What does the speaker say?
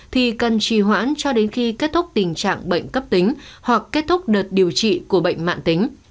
thì cần trì hoãn cho đến khi kết thúc tình trạng bệnh cấp tính hoặc kết thúc đợt điều trị của bệnh mạng tính